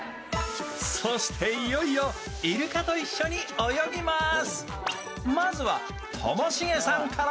そしていよいよイルカと一緒に泳ぎます。